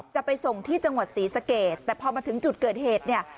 จะไปส่งที่จังหวัดศรีสะเกดแต่พอมาถึงจุดเกิดเหตุเนี่ย